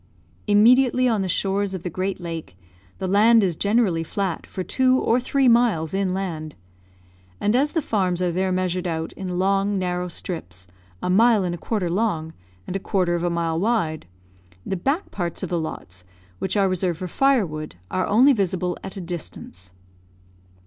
Immediately on the shores of the great lake, the land is generally flat for two or three miles inland; and as the farms are there measured out in long, narrow strips, a mile and a quarter long, and a quarter of a mile wide, the back parts of the lots, which are reserved for firewood, are only visible at a distance.